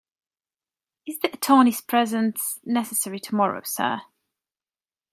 Is the attorney's presence necessary tomorrow, Sir?